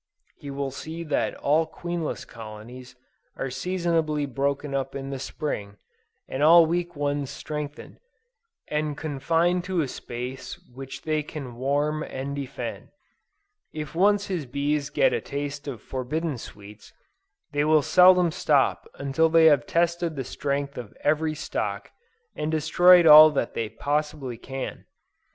He will see that all queenless colonies are seasonably broken up in the Spring, and all weak ones strengthened, and confined to a space which they can warm and defend. If once his bees get a taste of forbidden sweets, they will seldom stop until they have tested the strength of every stock, and destroyed all that they possibly can.